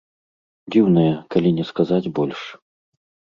Дзіўная, калі не сказаць больш.